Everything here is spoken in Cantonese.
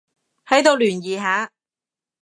喺度聯誼下